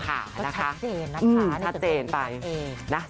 ก็ชัดเจนนะคะในสมมุติของพี่ตั๊กเอง